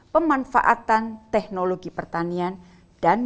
pemanfaatan teknologi pertanian dan